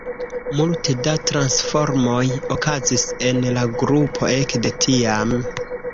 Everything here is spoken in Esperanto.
Multe da transformoj okazis en la grupo ekde tiam.